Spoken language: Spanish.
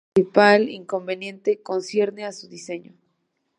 El otro principal inconveniente concierne a su diseño.